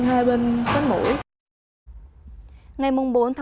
hai bên cánh mũi